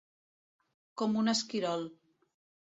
Com un esquirol.